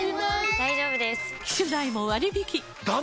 大丈夫です！